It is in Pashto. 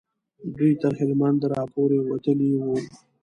دوی تر هلمند را پورې وتلي وو.